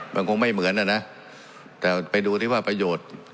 มันคงไม่เหมือนนะแต่ไปดูที่ว่าประโยชน์